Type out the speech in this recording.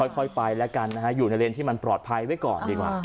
ไปแล้วกันนะฮะอยู่ในเลนที่มันปลอดภัยไว้ก่อนดีกว่า